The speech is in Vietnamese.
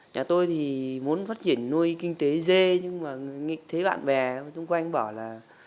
nhà tôi thì muốn phát triển nuôi kinh tế dê nhưng mà thấy bạn bè xung quanh anh bảo là